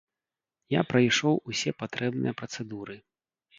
Я прайшоў усе патрэбныя працэдуры.